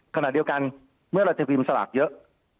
ขณะเดียวกันเมื่อเราจะพิมพ์สลากเยอะ